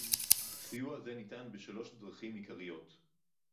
סיוע זה ניתן בשלוש דרכים עיקריות: